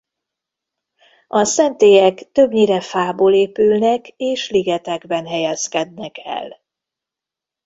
A szentélyek többnyire fából épülnek és ligetekben helyezkednek el.